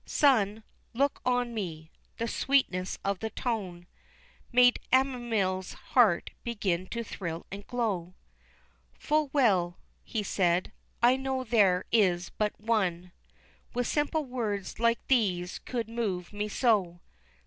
"Son, look on me," the sweetness of the tone Made Ammiel's heart begin to thrill and glow, "Full well," he said, "I know there is but One With simple words like these could move me so."